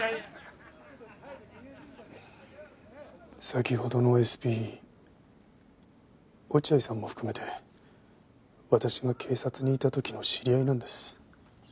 先ほどのＳＰ落合さんも含めて私が警察にいた時の知り合いなんです。